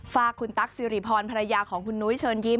ฝากคุณตั๊กสิริพรภรรยาของคุณนุ้ยเชิญยิ้